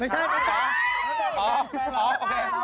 ไม่ใช่พวกเธอ